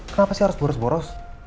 kenapa sih harus boros boros